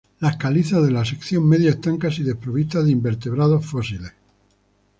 Las calizas de la sección media están casi desprovistas de invertebrados fósiles.